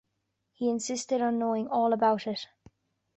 He insisted on knowing all about it.